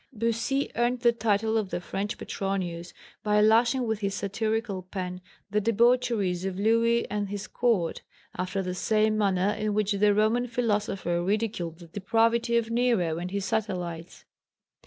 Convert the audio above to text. Bussy earned the title of the French Petronius, by lashing with his satirical pen the debaucheries of Louis and his Court after the same manner in which the Roman philosopher ridiculed the depravity of Nero and his satellites.